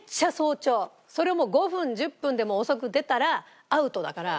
それをもう５分１０分でも遅く出たらアウトだから。